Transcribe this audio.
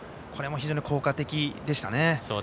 これも非常に効果的でしたね。